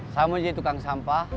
saya mau jadi tukang sampah